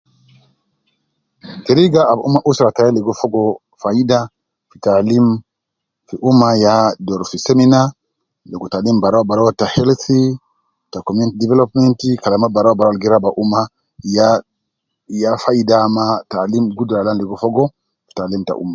Teriga ab umma usra tai logo fogo faida fi taalim fi umma ya doru fi seminar, logo taalim bara bara, ta healthy, ta community development, kalama barau barau al gi raba umma ,ya, ya faida ama taalim, gudura al ana ligo gogo fi taalim